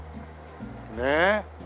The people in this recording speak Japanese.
ねえ。